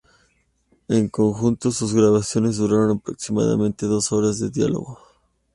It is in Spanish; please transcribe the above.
En conjunto, sus grabaciones duraron aproximadamente dos horas de diálogo.